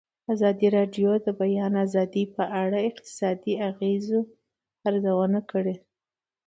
ازادي راډیو د د بیان آزادي په اړه د اقتصادي اغېزو ارزونه کړې.